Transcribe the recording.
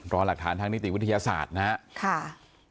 รอหลักฐานทางนิติวิทยาศาสตร์นะ